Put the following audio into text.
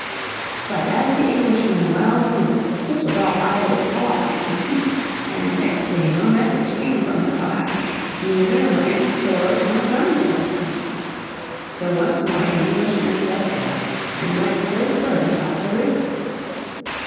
But, as the Englishmen well knew, this was all idle talk and deceit, and next day no message came from the Powhatan, neither were any swords nor guns forthcoming. So once more the Englishmen set sail and went still further up the river.